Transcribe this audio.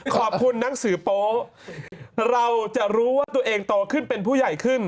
หนังสือโป๊ะเราจะรู้ว่าตัวเองโตขึ้นเป็นผู้ใหญ่ขึ้น